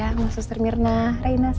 sama sama sama jessy